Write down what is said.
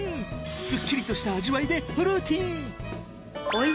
すっきりとした味わいでフルーティー！